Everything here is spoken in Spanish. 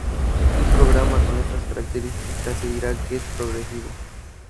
Un programa con estas características se dirá que es "progresivo".